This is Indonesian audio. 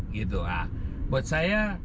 gitu nah buat saya